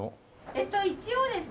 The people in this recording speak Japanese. えっと一応ですね